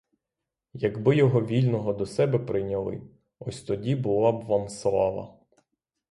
Якби його вільного до себе прийняли — ось тоді була б вам слава.